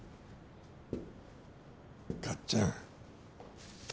カッちゃん。